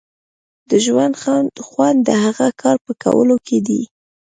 د ژوند خوند د هغه کار په کولو کې دی.